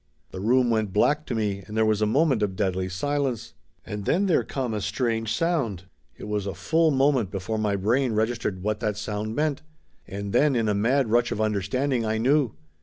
The room went black to me and there was a moment of deathly silence. And then there come a strange sound. It was a full moment before my brain reg istered what that sound meant. And then in a mad rush of understanding I knew.